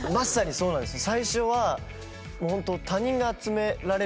そうなんですよ。